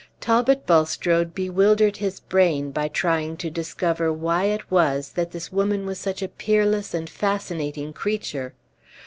Talbot Bulstrode bewildered his brain by trying to discover why it was that this woman was such a peerless and fascinating creature.